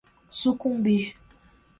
sucumbir